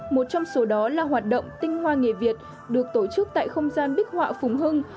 một trong số đó là hoạt động tinh hoa nghề việt được tổ chức tại không gian bích họa phùng hưng